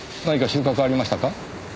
何か収穫はありましたか？